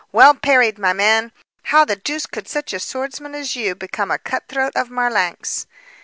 Well parried, my man! How the deuce could such a swordsman as you become a cutthroat of Marlanx?"